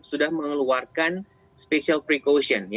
sudah mengeluarkan special precaution